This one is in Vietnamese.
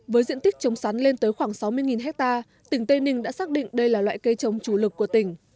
với diện tích trồng sắn lên tới khoảng sáu mươi ha tỉnh tây ninh đã xác định đây là loại cây trồng chủ lực của tỉnh